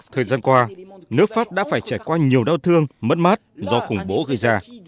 thời gian qua nước pháp đã phải trải qua nhiều đau thương mất mát do khủng bố gây ra